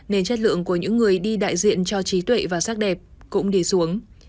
nên chất lượng của những người đi đại diện cho trí tuệ và sắc đẹp cũng đi xuống